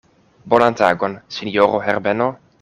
Bonan tagon, sinjoro Herbeno.